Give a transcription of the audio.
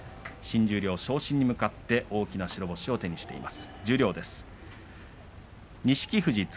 新十両昇進に向かって大きな白星を手にしました。